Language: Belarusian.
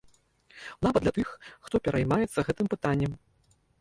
Нават для тых, хто пераймаецца гэтым пытаннем.